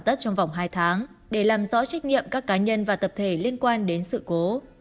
tất trong vòng hai tháng để làm rõ trách nhiệm các cá nhân và tập thể liên quan đến sự cố